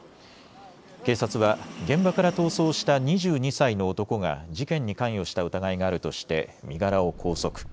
警察は現場から逃走した２２歳の男が事件に関与した疑いがあるとして身柄を拘束。